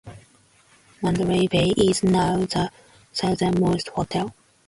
Mandalay Bay is now the southernmost hotel.